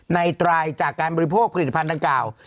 ไตรจากการบริโภคผลิตภัณฑ์ดังกล่าว